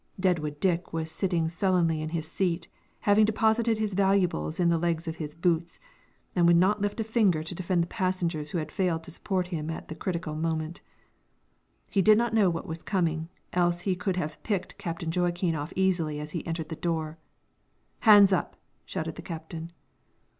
Deadwood Dick was sitting sullenly in his seat, having deposited his valuables in the legs of his boots, and would not lift a finger to defend the passengers who had failed to support him at the critical moment. He did not know what was coming, else he could have picked Captain Joaquin off easily as he entered the door. "Hands up!" shouted the captain.